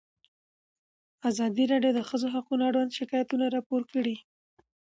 ازادي راډیو د د ښځو حقونه اړوند شکایتونه راپور کړي.